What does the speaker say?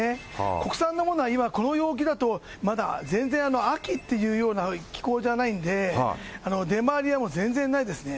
国産のものは今、この陽気だと、まだ全然、秋っていうような気候じゃないんで、出回りは全然ないですね。